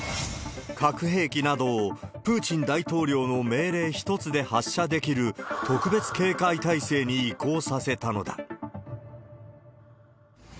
核兵器などをプーチン大統領の命令一つで発射できる特別警戒態勢に移行させたのだ。